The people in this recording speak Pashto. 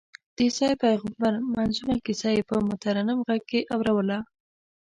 د عیسی پېغمبر منظمومه کیسه یې په مترنم غږ کې اورووله.